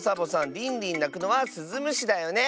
リンリンなくのはスズムシだよね。